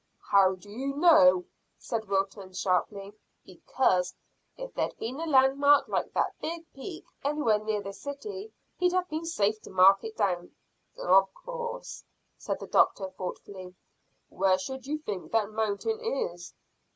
"How do you know?" said Wilton sharply. "Because if there'd been a landmark like that big peak anywhere near the city he'd have been safe to mark it down." "Of course," said the doctor thoughtfully. "Where should you think that mountain is?"